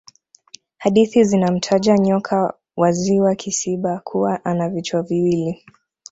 hadithi zinamtaja nyoka wa ziwa kisiba kuwa ana vichwa viwili